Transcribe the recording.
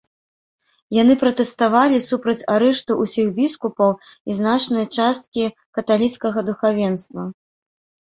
Яны пратэставалі супраць арышту ўсіх біскупаў і значнай часткі каталіцкага духавенства.